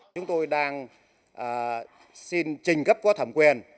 chúng tôi đang xin trình cấp qua thẩm quyền